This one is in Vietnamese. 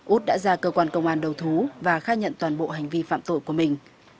út đã ra cơ quan công an đầu thú và khai nhận toàn bộ hành vi phạm tội của mình